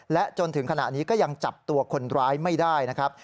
และจนถึงขณะนี้ก็ยังจับตัวคนร้ายไม่ได้นะครับ